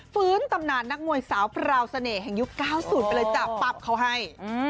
ตำนานนักมวยสาวพราวเสน่ห์แห่งยุค๙๐ไปเลยจ้ะปั๊บเขาให้